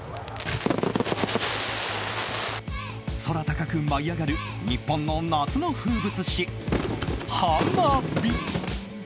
空高く舞い上がる日本の夏の風物詩、花火。